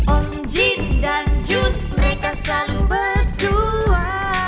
om jin dan jun mereka selalu berdua